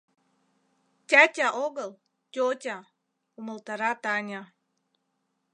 — Тятя огыл, тётя, — умылтара Таня.